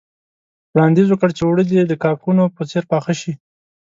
وړانديز وکړ چې اوړه دې د کاکونو په څېر پاخه شي.